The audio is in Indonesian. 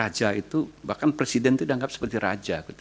raja itu bahkan presiden itu dianggap seperti raja